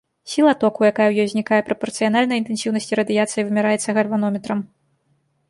Сіла току, якая ў ёй узнікае, прапарцыянальная інтэнсіўнасці радыяцыі і вымяраецца гальванометрам.